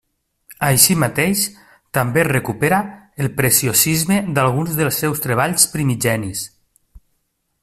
Així mateix, també recupera el preciosisme d'alguns dels seus treballs primigenis.